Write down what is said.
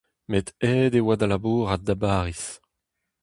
Met aet e oa da labourat da Bariz.